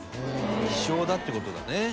希少だって事だね。